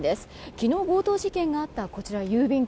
昨日、強盗事件があったこちらの郵便局